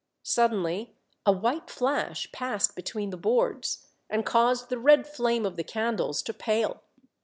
Suddenly a white flash passed between the boards, and caused the red flame of the candles to pale.